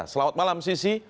selamat malam sisi